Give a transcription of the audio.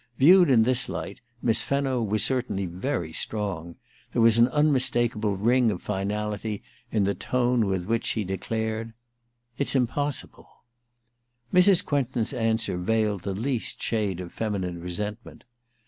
Viewed in this light, Miss Fenno was certainly very strong : there was an un mistakable ring of finality in the tone with which she declared :* It's impossible/ Mrs. Quentin's answer veiled the least shade of feminine resentment.